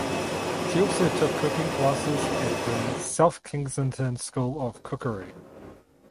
She also took cooking classes at the South Kensington School of Cookery.